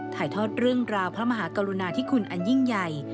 ถ่ายทอดเรื่องราวพระมหากรุณาธิคุณอันยิ่งใหญ่